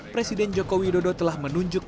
presiden joko widodo telah menunjuk